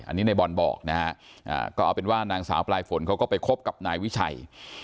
อันนี้ในบอลบอกนะฮะก็เอาเป็นว่านางสาวปลายฝนเขาก็ไปคบกับนายวิชัย